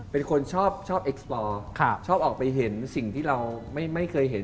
เป็นคนชอบออกไปเห็นสิ่งที่เราไม่เคยเห็น